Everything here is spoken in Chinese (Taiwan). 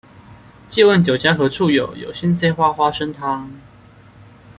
借問酒家何處有，有心栽花花生湯